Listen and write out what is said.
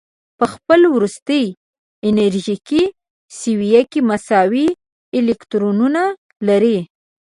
په خپل وروستي انرژیکي سویه کې مساوي الکترونونه لري.